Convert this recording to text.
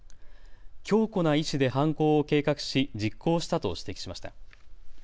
強固な意思で犯行を計画し実行したと指摘しました。